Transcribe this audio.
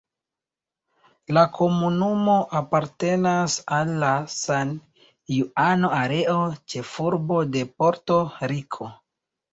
La komunumo apartenas al la San-Juano areo, ĉefurbo de Porto-Riko.